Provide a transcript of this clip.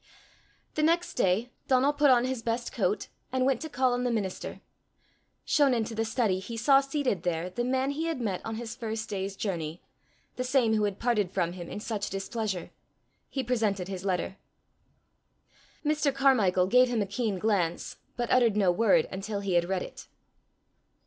The next day, Donal put on his best coat, and went to call on the minister. Shown into the study, he saw seated there the man he had met on his first day's journey, the same who had parted from him in such displeasure. He presented his letter. Mr. Carmichael gave him a keen glance, but uttered no word until he had read it.